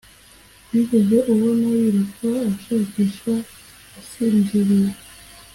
wigeze ubona yiruka ashakisha asinziriye